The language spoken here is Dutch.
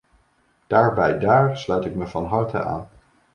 Daarbij daar sluit ik me van harte aan.